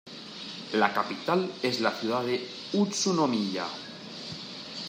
La capital es la ciudad de Utsunomiya.